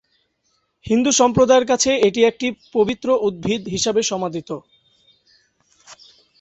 হিন্দু সম্প্রদায়ের কাছে এটি একটি পবিত্র উদ্ভিদ হিসাবে সমাদৃত।